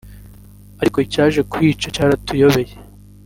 ariko icyaje kuhica cyaratuyobeye